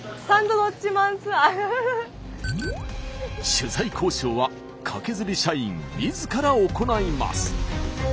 取材交渉はカケズリ社員みずから行います。